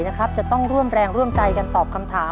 จะต้องร่วมแรงร่วมใจกันตอบคำถาม